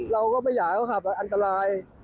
เราก็ไม่อยากให้เขาขับอันตราย